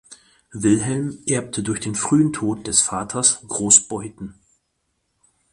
Wilhelm erbte durch den frühen Tod des Vaters Großbeuthen.